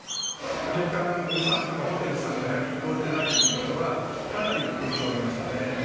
旅館さんとかホテルさんがやはり動いてないということは、かなり影響ありましたね。